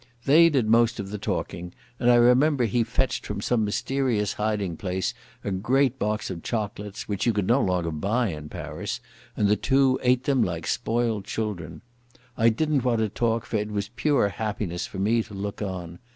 They did most of the talking, and I remember he fetched from some mysterious hiding place a great box of chocolates, which you could no longer buy in Paris, and the two ate them like spoiled children. I didn't want to talk, for it was pure happiness for me to look on.